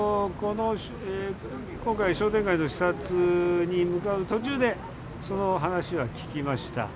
今回、商店街の視察に向かう途中でその話は聞きました。